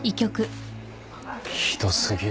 ひどすぎる。